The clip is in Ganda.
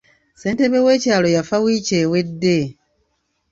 Ssentebe w'ekyalo yafa wiiki ewedde.